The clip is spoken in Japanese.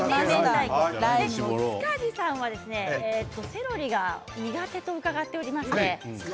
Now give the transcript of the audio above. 塚地さんはセロリが苦手と伺っていますので。